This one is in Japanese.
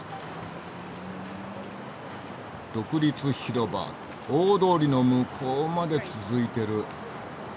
独立広場大通りの向こうまで続いてる。